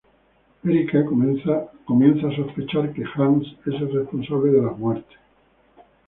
Erica comienza a sospechar que Hans es el responsable de las muertes.